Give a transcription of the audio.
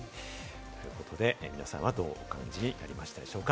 皆さんはどうお感じになりましたでしょうか？